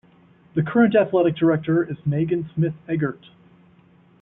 The current Athletic Director is Megan Smith Eggert.